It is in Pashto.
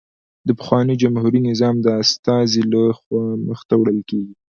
د پخواني جمهوري نظام د استازي له خوا مخته وړل کېږي